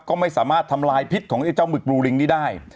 ก็ไม่สามารถทำลายพิษของไอ้เจ้าหมึกบลูลิงนี้ได้